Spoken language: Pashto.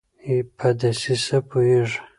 په دسیسه پوهیږي